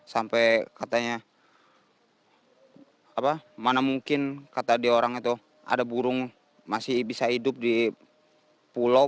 sampai katanya mana mungkin kata dia orang itu ada burung masih bisa hidup di pulau